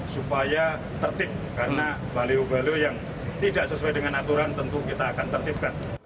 supaya tertib karena baliho baliho yang tidak sesuai dengan aturan tentu kita akan tertibkan